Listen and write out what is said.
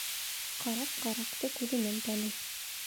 Ҡараҡ ҡараҡты күҙенән таный.